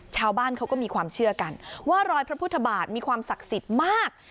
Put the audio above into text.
ชาวบ้านเขาก็มีความเชื่อกันว่ารอยพระพุทธบาทมีความศักดิ์สิทธิ์มาก